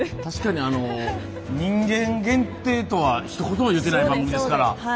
確かに人間限定とはひと言も言ってない番組ですから。